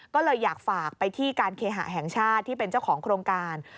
ก็เลยอยากฝากไปที่การเคหะแห่งชาติที่เป็นเจ้าของโครงการ